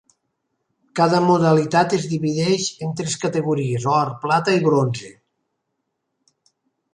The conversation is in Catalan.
Cada modalitat es divideix en tres categories, or, plata i bronze.